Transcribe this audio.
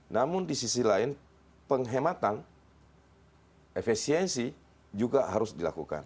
namun di sisi lain penghematan efisiensi juga harus dilakukan